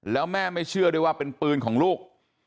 แล้วแม่ไม่เชื่อด้วยว่าเป็นปืนของลูก